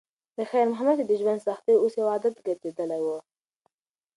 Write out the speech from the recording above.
خیر محمد ته د ژوند سختۍ اوس یو عادت ګرځېدلی و.